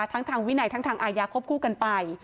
ทั้งทางวินัยทั้งทางอาญาควบคู่กันไป